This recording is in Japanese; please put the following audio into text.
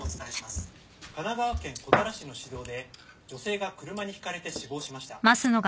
神奈川県古多良市の市道で女性が車にひかれて死亡しました。